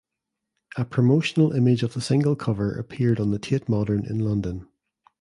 A promotional image of the single cover appeared on the Tate Modern in London.